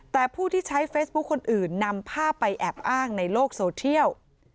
แต่ผู้ที่ใช้เฟซบุ๊คคนอื่นนำภาพไปแอบอ้างในโลกโซเทียล